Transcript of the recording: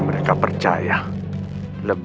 baik ganjeng sunan